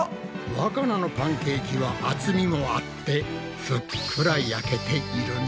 わかなのパンケーキは厚みもあってふっくら焼けているな。